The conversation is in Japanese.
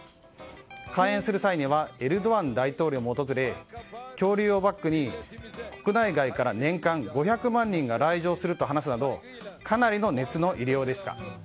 開園する際にはエルドアン大統領も訪れ恐竜をバックに国内外から年間５００万人が来場すると話すなどかなりの熱の入れようでした。